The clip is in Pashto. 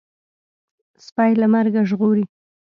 سپى له مرګه ژغوري.